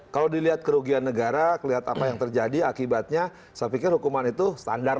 kalau dilihat kerugian negara kelihatan apa yang terjadi akibatnya saya pikir hukuman itu standar